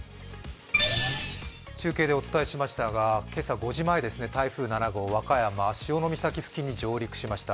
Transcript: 中継でお伝えしましたが、今朝５時前台風７号は和歌山潮岬付近に上陸しました。